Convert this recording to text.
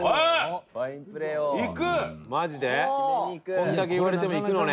これだけ言われてもいくのね？